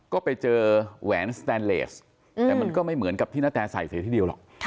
ก็ไปเจอแหวนสแตนเลสแต่มันก็ไม่เหมือนกับที่นาแตใส่เสียทีเดียวหรอก